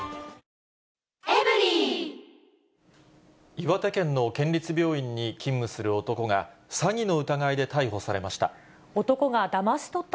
岩手県の県立病院に勤務する男が、詐欺の疑いで逮捕されました。